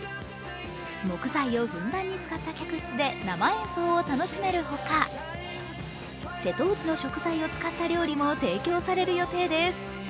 木材をふんだんに使った客室で生演奏を楽しめるほか、瀬戸内の食材を使った料理も提供される予定です。